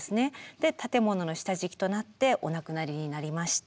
で建物の下敷きとなってお亡くなりになりました。